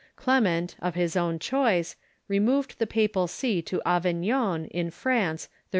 Clement, of his own choice, removed the papal see to Avignon, in France, 1309.